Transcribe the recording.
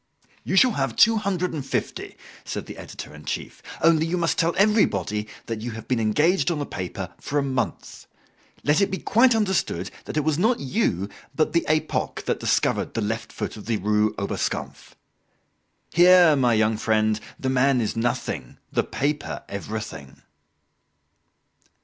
"You shall have two hundred and fifty," said the editor in chief; "only you must tell everybody that you have been engaged on the paper for a month. Let it be quite understood that it was not you but the 'Epoque' that discovered the left foot of the Rue Oberskampf. Here, my young friend, the man is nothing, the paper everything."